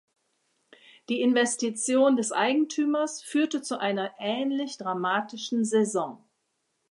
Die Investition des Eigentümers führte zu einer ähnlich dramatischen Saison.